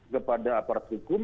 kepada aparat hukum